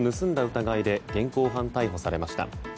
疑いで現行犯逮捕されました。